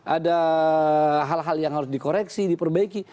ada hal hal yang harus dikoreksi diperbaiki